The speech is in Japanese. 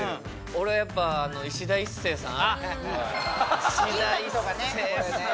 俺やっぱいしだ壱成さん